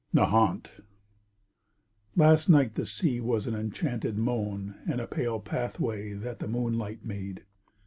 NAHANT Last night the sea was an enchanted moan And a pale pathway that the moonlight made.